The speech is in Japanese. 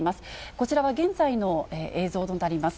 こちらは現在の映像となります。